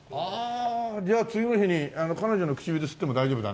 じゃあ次の日に彼女の唇吸っても大丈夫だね。